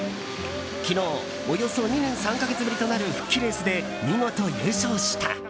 昨日およそ２年３か月ぶりとなる復帰レースで見事優勝した。